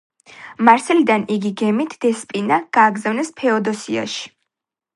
მარსელიდან იგი გემით „დესპინა“ გააგზავნეს ფეოდოსიაში.